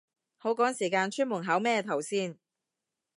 好趕時間出門口咩頭先